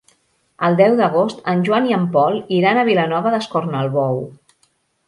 El deu d'agost en Joan i en Pol iran a Vilanova d'Escornalbou.